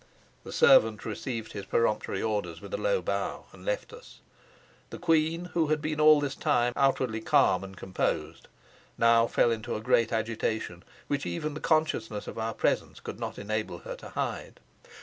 The servant received his peremptory orders with a low bow, and left us. The queen, who had been all this time outwardly calm and composed, now fell into a great agitation, which even the consciousness of our presence could not enable her to hide.